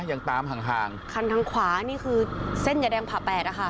ยังตามห่างห่างคันทางขวานี่คือเส้นยาแดงผ่าแปดอะค่ะ